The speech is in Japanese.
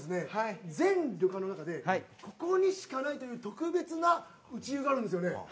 森津屋さんでは全旅館の中でここにしかないという特別な内湯があるんですよね。